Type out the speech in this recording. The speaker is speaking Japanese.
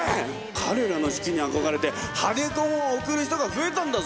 彼らの式に憧れてハデ婚をおくる人が増えたんだぜ！